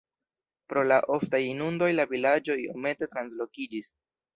Pro la oftaj inundoj la vilaĝo iomete translokiĝis.